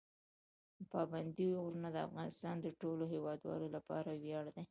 پابندي غرونه د افغانستان د ټولو هیوادوالو لپاره ویاړ دی.